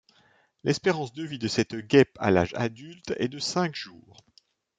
L'espérance de vie de cette guêpe à l'âge adulte est de cinq jours.